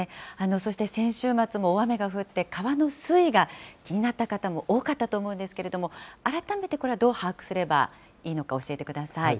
そして先週末も大雨が降って、川の水位が気になった方も多かったと思うんですけれども、改めてこれはどう把握すればいいのか教えてください。